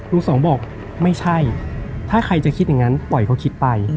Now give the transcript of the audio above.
สองบอกไม่ใช่ถ้าใครจะคิดอย่างนั้นปล่อยเขาคิดไป